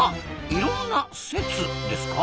いろんな説ですか？